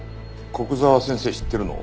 古久沢先生知ってるの？